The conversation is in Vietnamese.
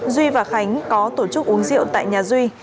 duy và khánh có tổ chức uống rượu tại nhà duy